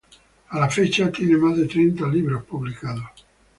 A la fecha tiene más de treinta libros publicados.